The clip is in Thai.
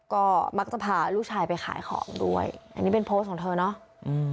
ก็มักจะพาลูกชายไปขายของด้วยอันนี้เป็นโพสต์ของเธอเนาะ